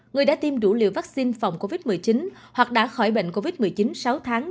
người đã tiêm đủ liều vaccine phòng covid một mươi chín hoặc đã khỏi bệnh covid một mươi chín sáu tháng